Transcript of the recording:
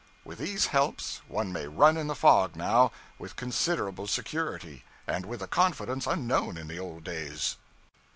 With these helps, one may run in the fog now, with considerable security, and with a confidence unknown in the old days.